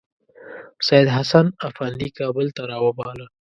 سیدحسن افندي کابل ته راوباله.